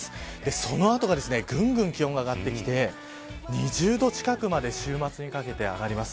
その後がぐんぐん気温が上がってきて２０度近くまで週末にかけて上がります。